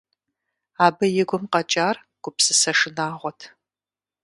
Абы и гум къэкӀар гупсысэ шынагъуэт.